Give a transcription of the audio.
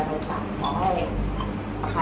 ขอตอบดีครับ